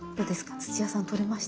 土屋さん取れました？